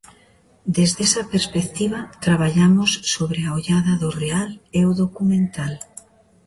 Desde esa perspectiva traballamos sobre a ollada do real e o documental.